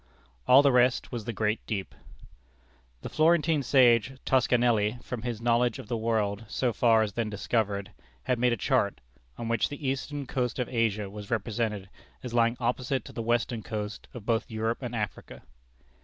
All the rest was the great deep. The Florentine sage Toscanelli, from his knowledge of the world so far as then discovered, had made a chart, on which the eastern coast of Asia was represented as lying opposite to the western coast of both Europe and Africa.